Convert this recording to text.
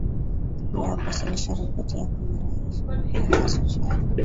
kabla ya kuwasilisha ripoti ya kwa marais wa bukinafaso chad